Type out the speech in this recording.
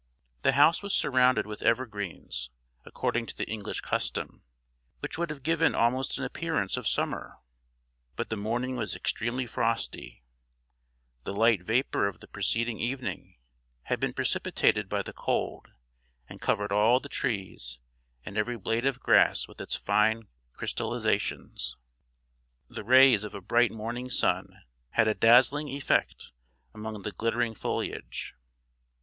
The house was surrounded with evergreens, according to the English custom, which would have given almost an appearance of summer; but the morning was extremely frosty; the light vapour of the preceding evening had been precipitated by the cold, and covered all the trees and every blade of grass with its fine crystallisations. The rays of a bright morning sun had a dazzling effect among the glittering foliage.